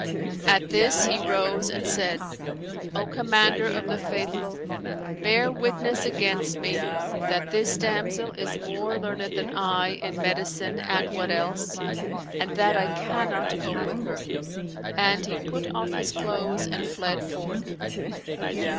At this, he rose and said, "O Commander of the Faithful, bear witness against me that this damsel is more learned than I in medicine and what else, and that I cannot cope with her." And he put off his clothes and fled forth.